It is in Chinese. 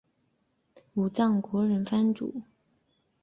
武藏国忍藩主。